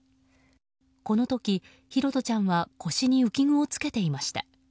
この時、拓杜ちゃんは腰に浮き具を着けていました。